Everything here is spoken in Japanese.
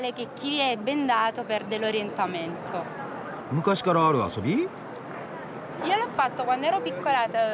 昔からある遊び？